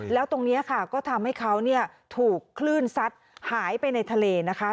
แล้วตรงนี้ค่ะก็ทำให้เขาถูกคลื่นซัดหายไปในทะเลนะคะ